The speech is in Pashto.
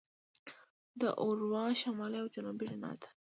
د اورورا شمالي او جنوبي رڼا ده.